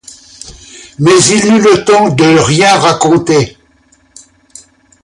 Mais il n'eut le temps de rien raconter.